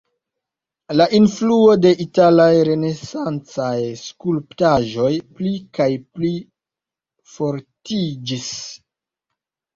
La influoj de italaj renesancaj skulptaĵoj pli kaj pli fortiĝis.